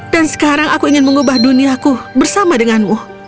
dan sekarang aku ingin mengubah duniaku bersama denganmu